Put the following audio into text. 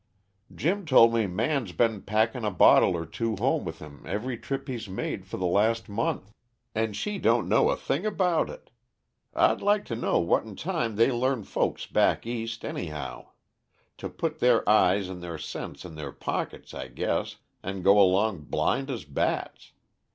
Jim told me Man's been packing a bottle or two home with him every trip he's made for the last month and she don't know a thing about it. I'd like to know what 'n time they learn folks back East, anyhow; to put their eyes and their sense in their pockets, I guess, and go along blind as bats.